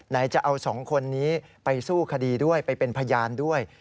จะเอาสองคนนี้ไปสู้คดีด้วยไปเป็นพยานด้วย